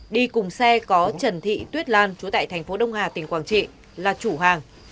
đi cùng xe có trần thị tuyết lan chú tại thành phố đông hà tỉnh quảng trị là chủ hàng